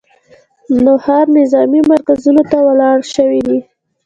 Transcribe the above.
نوښار نظامي مرکزونو ته وړل شوي دي